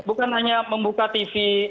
bukan hanya membuka tv